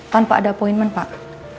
tanpa ada appointment pak